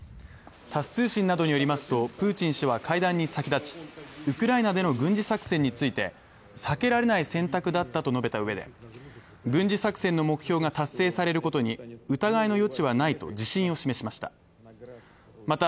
タス通信などによりますとプーチン氏は会談に先立ち、ウクライナでの軍事作戦について、避けられない選択だったと述べたうえで、軍事作戦の目標が達成されることに疑いの余地はないと自信を示しました。